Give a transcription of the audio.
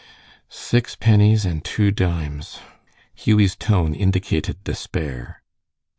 "Six pennies and two dimes." Hughie's tone indicated despair.